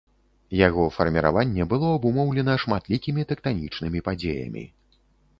Яго фарміраванне было абумоўлена шматлікімі тэктанічнымі падзеямі.